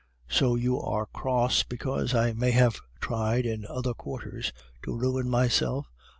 "'So you are cross because I may have tried in other quarters to ruin myself?